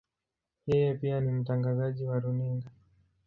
Yeye pia ni mtangazaji wa runinga.